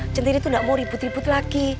centini tuh gak mau ribut ribut lagi